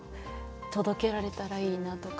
届けられたらいいなとか。